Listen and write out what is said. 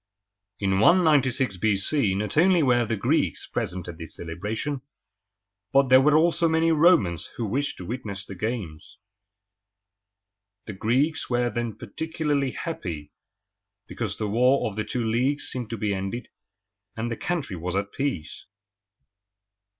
In 196 B.C. not only were the Greeks present at this celebration, but there were also many Romans who wished to witness the games. The Greeks were then particularly happy because the War of the Two Leagues seemed to be ended, and the country was at peace.